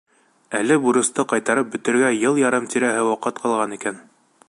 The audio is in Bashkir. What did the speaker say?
Әле бурысты ҡайтарып бөтөргә йыл ярым тирәһе ваҡыт ҡалған икән.